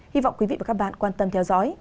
hy vọng quý vị và các bạn quan tâm theo dõi